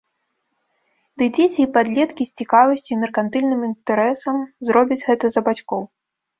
Дый дзеці і падлеткі з цікавасцю і меркантыльным інтарэсам зробяць гэта за бацькоў.